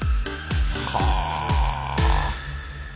はあ。